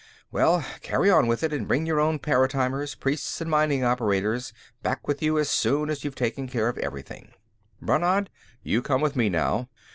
Well, carry on with it, and bring your own paratimers, priests and mining operators, back with you as soon as you've taken care of everything. Brannad, you come with me, now.